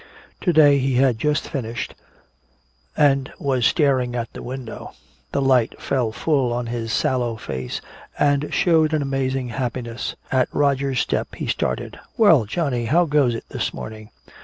To day he had just finished and was staring at the window. The light fell full on his sallow face and showed an amazing happiness. At Roger's step he started. "Well, Johnny, how goes it this morning?"